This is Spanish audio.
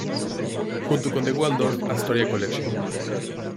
Junto con The Waldorf=Astoria Collection.